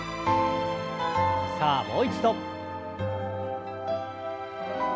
さあもう一度。